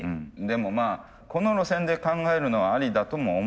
でもまあこの路線で考えるのはありだとも思います。